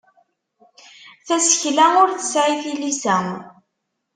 Tasekla ur tesɛi tilisa.